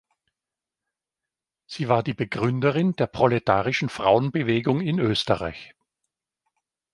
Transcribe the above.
Sie war die Begründerin der proletarischen Frauenbewegung in Österreich.